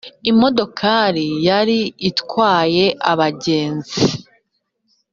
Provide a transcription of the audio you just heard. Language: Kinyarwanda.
Imodokari yari itwaye abagenzi